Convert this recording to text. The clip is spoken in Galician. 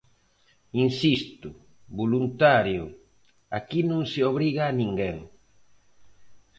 Insisto, voluntario, aquí non se obriga a ninguén.